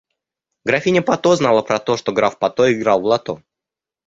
Графиня Патто знала про то, что граф Патто играл в лото.